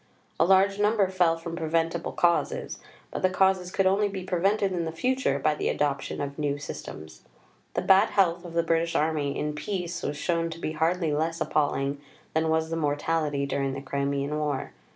A large number fell from preventable causes; but the causes could only be prevented in the future by the adoption of new systems. The bad health of the British Army in peace was shown to be hardly less appalling than was the mortality during the Crimean War.